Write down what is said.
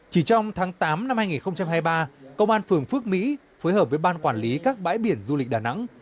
chỉ trong tháng tám năm hai nghìn hai mươi ba công an phường phước mỹ phối hợp với ban quản lý các bãi biển du lịch đà nẵng